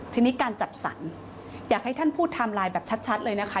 ทีนี้การจัดสรรอยากให้ท่านพูดไทม์ไลน์แบบชัดเลยนะคะ